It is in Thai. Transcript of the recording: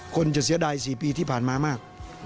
คนจะเสียดาย๔ปีที่ผ่านมามาก